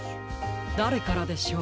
だれからでしょう？